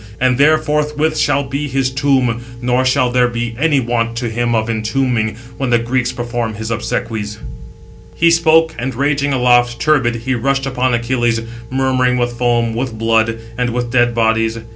And there forthwith shall be 683 his tomb, nor shall there be any want to him of entombing, when the Greeks perform his obsequies." Footnote 683: (return) Observe the force of τετεύξεται. He spoke, and raging aloft, turbid, he rushed upon Achilles, murmuring with foam, with blood, and with dead bodies.